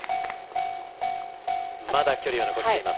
まだ距離は残っています。